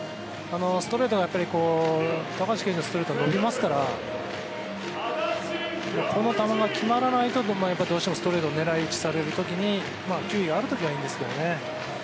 ストレートは高橋は伸びますからこの球が決まらないとどうしてもストレートを狙い打ちされるときに球威があるときはいいんですけどね。